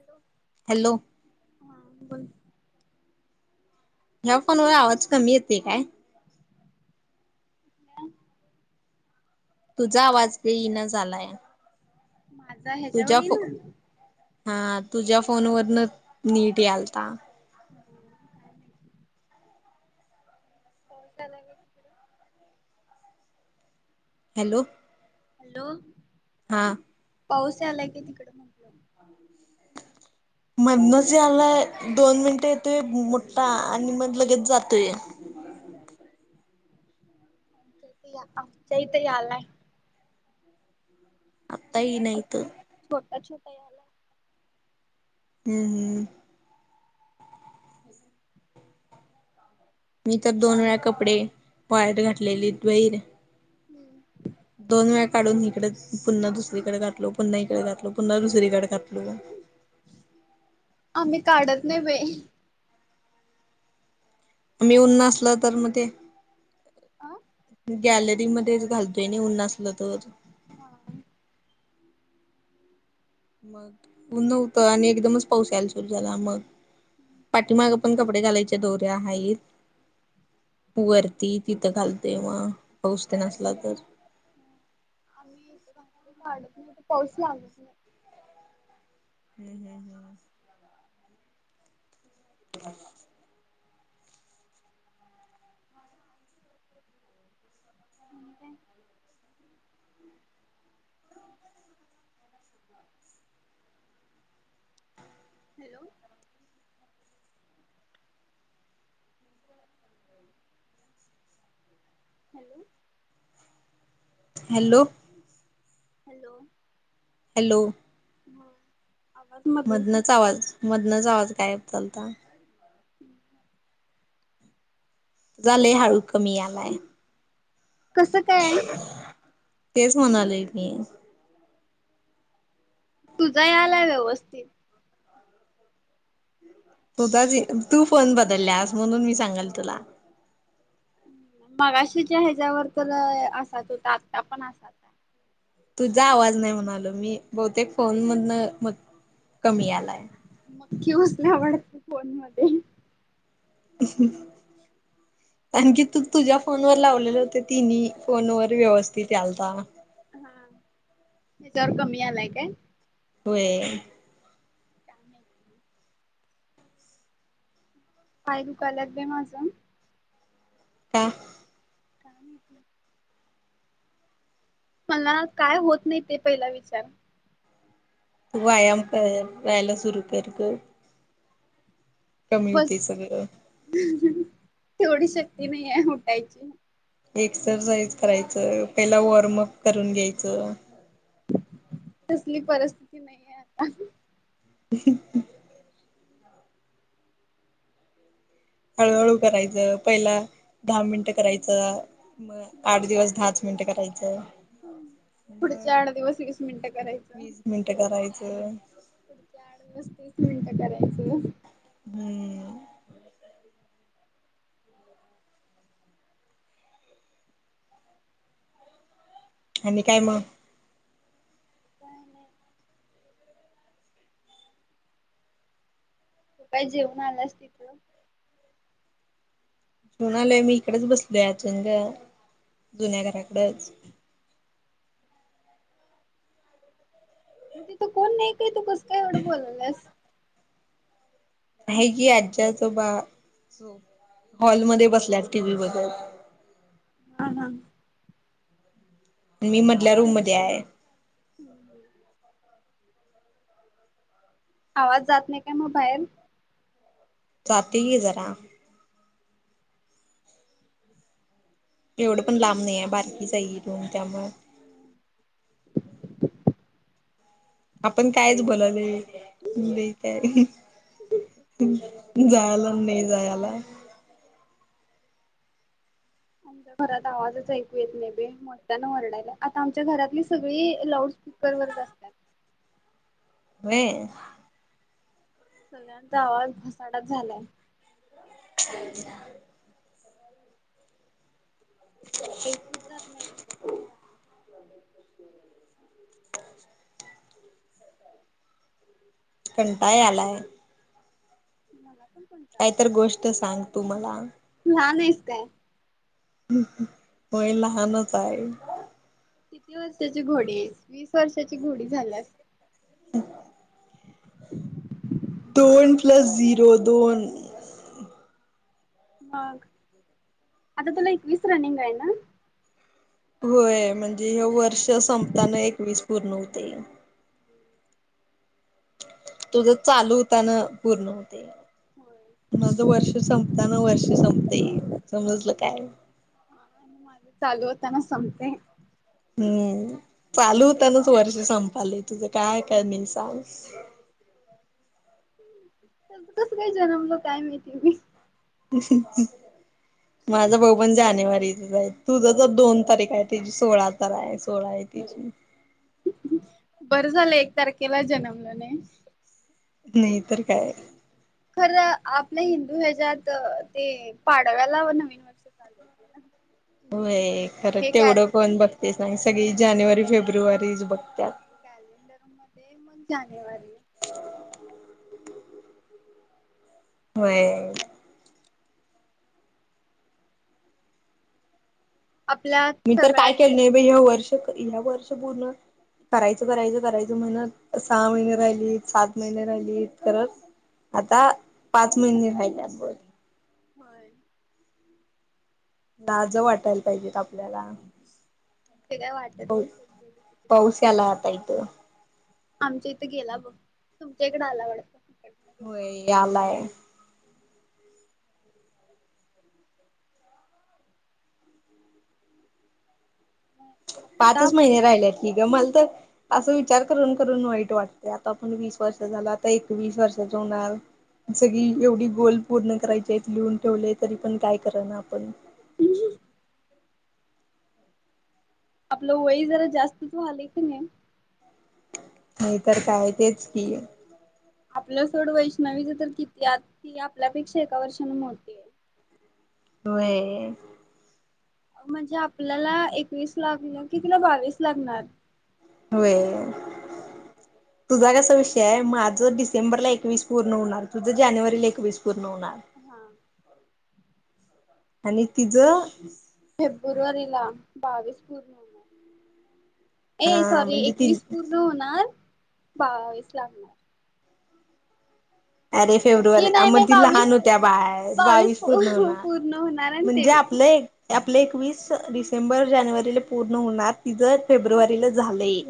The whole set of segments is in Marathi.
हॅलो हॅलो हा बोल ह्या फोनवर आवाज कमी येतय काय? कुठल्या? तुझा आवाज येईना झालाय माझा आहे तुझ्या फो हा, तुझ्या फोनवरन नीट यालता. हो काय मायती पाऊस आलाय व्हय. हॅलो! हॅलो! हा. पाऊस आलाय की तिकडं मधनच यालाय दोन मिनटं येतोय मोठ्ठा आणि मग लगेच जातोय हं. [unintelligible] आत्ता येई छोटा ना छो इथं छोटा छोटा याला हम्म हम्म. मी तर दोन वेळा कपडे वाळत घातलेली द्वेर हम्म. दोन वेळा काढून इकडे पुन्हा दुसरीकडे घातलो पुन्हा इकडे घातलो पुन्हा दुसरीकडे घातलो आम्ही काढत नाही बाई मी उन्ह नसलं तर मग ते आ गॅलरी मध्येच घालतोय उन नसलं तर हा हा. मग ऊन होत आणि एकदमच पाऊस यायला सुरू झाला मग पाठीमाग पण कपडे घालायच्या दौऱ्या आहेत. वरती तिथं घालते मग पाऊस नसला तर आम्ही इकडे घातले [unintelligible] तर पाऊस लागत नाही हम्म हम्म हम्म. ह [inaudible] hello! Hello! Hello! Hello! Hello! हा. मधनच आवाज मधनाच आवाज गायब झालता हं झाले हळू कमी यालाय. काय झाल? तेच होऊन झालंय की. तुझा यालाय व्यवस्थित. [unintelligible] तू फोन बदलल्यास म्हणून मी सांगल तुला मगाशी ज्या ह्याच्या्वर तर असात होतात आता पण असात तुझा आवाज नाही म्हणालो मी बहुतेक फोन मधन म कमी आलाय मक्की घुसला वाटते फोन मध्ये ह आणखी तू तुझ्या फोनवर लावलेले होते तिन्ही फोन वर व्यवस्थित यालता हा त्याच्यावर कमी आलाय काय? होय. [inaudible] पाय दुखाय लागलेत माझं काय? काय माहिती. मला काय होत नाही ते पहिला विचार. वायाम कर. [unintelligible] सुरू कर गं. कमी बस होतय सगळं. तेवढी शक्ती नाही आहे उटायची. एक्सरसाइज करायचं. पहिला वॉर्मअप करून घ्यायचं. तसली परिस्थिती नाहीये आता. हा हा. हळूहळू करायचं. पहिला दहा मिनटं करायचं. मग आठ दिवस दहाच. मिनटं करायचं. पुढचे आठ दिवस वीस मिनिटं करायचं. मिनट करायचं. पुढच आठ दिवस तीस मिनिटं करायचं. हम्म. आणि काय मग? काय नाही तू काय जेवून आल्यास तिथं. जेवण आलोय. मी इकडेच बसलोय [unintelligible] जुन्या घराकडच. मग तिथं कोण नाही काय, तू कस काय एवढं बोलाल्यास? आहे की आजी आजोबा हॉलमध्ये बसल्यात टी व्ही बघत. हा हा. मी मधल्या रूम मध्ये आहे. हम. आवाज जात नाही काय मग बाहेर? जातोय की जरा. एवढ पण लांब नाही आहे बारकीच आहे की रूम त्यामुळं. आपण कायच बोललोय. [unintelligible] जायला नाही जायला. आमच्या घरात आवाजच ऐकू येत नाही बाई. मोठ्याने ओरडायला. आता आमच्या घरातली सगळी लाउड स्पीकर वर च असत्यात. होय. सगळ्यांचा आवाज घसाडाच झालाय. [inaudible] [inaudible] ऐकूच जात नाही लवकर. कंटाळा यालाय. मला पण. कंटाळा कायतर आलाय. गोष्ट सांग तू मला. लहान आहेस काय? होय लहानच हाय. किती वर्षाची घोडी आहेस? वीस वर्षाची घोडी झाल्यास. [inaudible] दोन प्लस झिरो दोन. मग. आता तुला एकवीस रनिंग आहे ना? होय. म्हणजे हे वर्ष संपताना एकवीस पूर्ण होतय. तुझ चालू होताना पूर्ण होते. होय. नझ वर्ष संपताना वर्ष संपते ये समजलं काय माज चालू होताना संपतय. हम्म चालू होतानाच वर्ष संपालय तुझं काय कमी हाय सांग. त्यांच कसं काय जन्मलं काय माळतीे मी ह माझं भाऊ पण जानेवारीचच आहे. तुझं जर दोन तारीख आहे त सोळा तर आहे, सोळा आहे तेच बरं झालं एक तारखेला जलमलो नाय नाही तर काय खरं आपल्या, हिंदू ह्याच्यात ते पाडव्याला नवीन व चालू होते ना होय, खरं हे कॅ तेवढं कोण बघते, ना सगळी जानेवारी फेब्रुवारीच बघत्यात कॅलेंडर मध्ये मग जानेवारी हा होय आपल्या मी तर सगळ्यात काय केलं, नाही बा ह वर्ष ह्या वर्ष पूर्ण करायचं, करायचं, करायचं म्हणत, सहा महिने राहिलीत सात महिने राहिलीत करत आता पाच महिने राहिले, आब होय लाज वाटायला पाहिजेत, आपल्याला ते काय वाटत नाही सोड पाऊसला हाता येतं आमच्या इथं गेला, ब तुमच्या इकडें आला वड होय, यालाय आता पाचच महिने राहिलेत, की ग मला तर असं विचार करून करून वाईट वाटते, आता आपण वीस वर्ष झालं आता एक वीस वर्षाच होणार सगळी एवढी गोल पूर्ण करायची आहेत, लिहून ठेवले तरी पण काय करा ना आपण ह आपलं वय जरा जास्तच व्हाले क नाही होय तर काय तेच की आपलं सोड वैष्णवी ज तर किती, आत ती आपल्यापेक्षा एका वर्षान मोठी, आहे. होय म्हणजे, आपल्याला एकवीस लागल, की तिला बावीस लागणार होय बरोबर तुझा कसा विषय आहे, माझं डिसेंबरला एकवीस पूर्ण होणार, तुझं जानेवारीला एकवीस पूर्ण होणार हा आणि तिज फेब्रुवारीला बावीस पूर्ण, ए अ सॉरी म्हणजे ति एकवीस पूर् न होणार बावीस लागणार अरे फेब्रुवारी हे नाही म नाही ती बावीस लहान होत्या बाळ बावीस पूर्ण होणार होणार आणि ते म्हणजे, आपलं एक आपले एकवीस डिसेंबर जानेवारीला पूर्ण होणार, तिझं फेब्रुवारीला झालंय.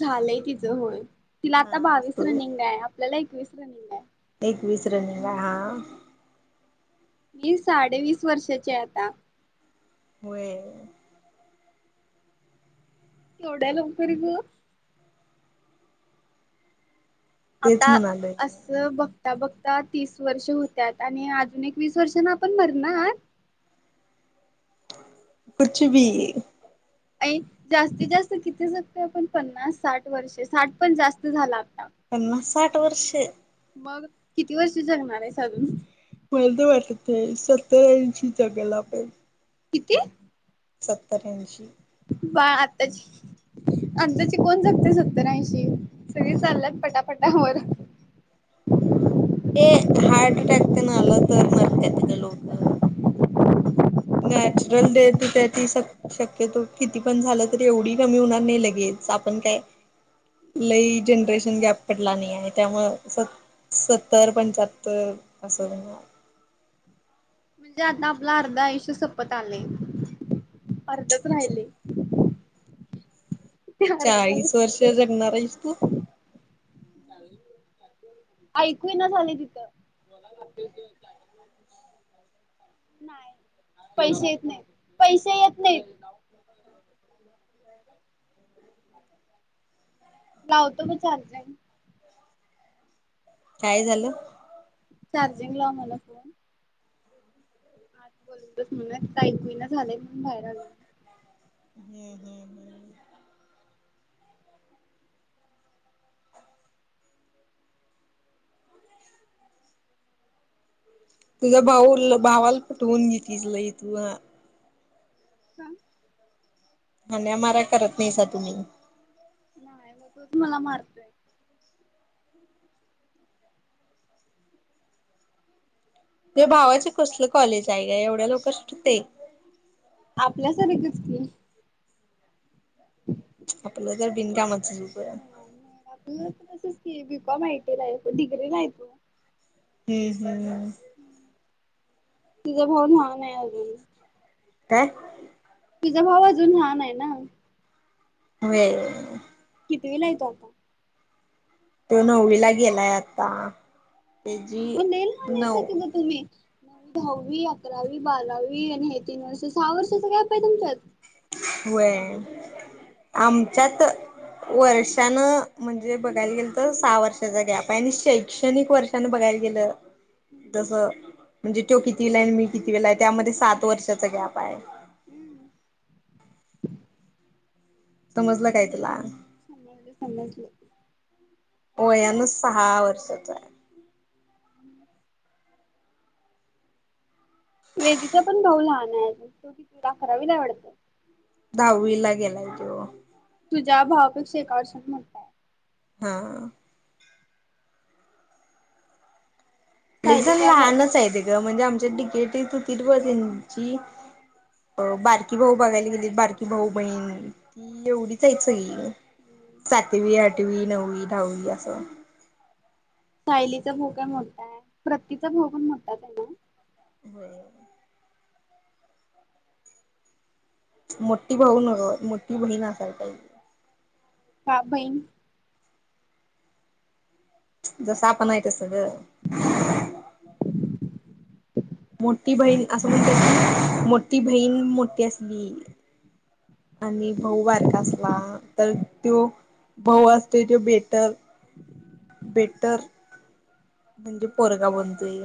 झालंय तिचं होय, तिला आता हा बावीस असतो रनिंग आहे, आपल्याला एकवीस रनिंग आहे. एकवीस रनिंग आहे हा. मी साडे वीस वर्षाची आहे आता. होय. केवढ्या लवकरी गं? तेच आता म्हणालोय असं बघ आता बघता तीस वर्ष होत्यात आणि अजून एक वीस वर्षना आपण मरणार. [unintelligible] अई जास्तीत जास्त कितीे जगतो आपण पन्नास साठ वर्षे साठ पण जास्त झाला आता. पन्नास साठ वर्षे. मग किती वर्ष जगणार आहेस अजून? मला तर वाटते सत्तरा इंशी जगायला पाही किती सत्तर, ऐंशी. बाय आत्ताची आताची कोण जगते सत्तर ऐंशी सगळी चालायात पटापटा वर. ते हार्ट अटॅक तेन आलं तर मारत्यात इथं लोकं. नॅचूरल डेट त्या ती सक शक्यतो किती पण झालं तरी एवढी कमी होणार नाही लगेच आपण काय लई जनरेशन गॅप पडला नाही आहे त्यामुळं सत सत्तर पंचाहत्तर असं. [unintelligible] म्हणजे आता आपलं अर्ध आयुष्य सपत आलेय. अर्धच राहिले. ते अर्ध्या चाळीस वर्ष जगणार आहेस तू? ऐकू ना झाले तिथं. नाय पैशे येत नाही पैसे येत नाहीत. [inaudible] लावतो म चार्जिंग. काय झालं? चार्जिंगला मला फोन आत बोलतस म्हणे त्या ऐकू नाय झालेय म्हणून बाहेर आले. हम्म हम्म हम्म. तुझा भाऊ भावाला पटवून घेतीस लंय तू हां. का हम्या मारा करत नाहीसा तुम्ही. नाही म तोच मला मारतोय. ते भावाचे कसलं कॉलेज आहे काय एवढ्या लवकर सूटते. आपल्यासारखच की. आपलं तर बिनकामाचा झुप आहे. हा मग आपलं तसच की बी कॉम आय टी ला होतो डिग्रीे ला आहे तू? हम्म हम्म हम्म. तिजा भाऊ लहान आहे अजून. काय तिजा भाऊ अजून लहान आहे ना. वेगळं कितीवीला आहे तो आता? तो नववीला गेलाय आता. त्याची नऊ [unintelligible] दहावी, अकरावी, बारावी, आणि हे तीन वर्ष. सहा वर्षाचा गॅप आहे तुमच्यात? व्हय. आमच्यात वर्षान म्हणजे बघायला गेलं तर सहा वर्षाचा गॅप आहे, आणि शैक्षणिक वर्ष न बघायला गेलं जसं, म्हणजे तो कितवीला आहे न मी कितवीला आहे, त्यामध्ये सात वर्षाचा गॅप आहे. हम् समजलं काय तुला? समजलं समजलं. वयान सहा वर्षाचा आहे. हम्म वेदीचा पण भाऊ लहान आहे. तो कितीला अकरावीला आहे वाटतं. दहावीला गेलाय तो. तुझ्या भावापेक्षा एका वर्षांनी मो हा. एकदम सायलीचा भाऊ लहानच आहेत गं. म्हणजे आमच्या [unintelligible] बारकी भाऊ बघायला गेली, बारकी भाऊ बहीण. एवढीच आहेत सगली. सातवी, आठवी, नववी, दहावी असं. सायलीचा भाऊ काय मोठा आहे. प्रतिक चा भाऊ पण मोठाच आहे ना. हो. मोठी भाऊ नाय, मोठी बहीण असाय पाहिजे. सात बहिन जसा आपण तस गं. हम्म मोठी बहीण असं म्हणतात की, मोठी बहीण मोठी असली आणि भाऊ बारका असला, तर तो भाऊ असते तो बेटर. बेटर. म्हणजे पोरगा बनतोय.